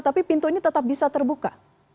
tapi pintu ini tetap bisa terbuka